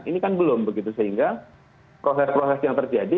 ini kan belum begitu sehingga proses proses yang terjadi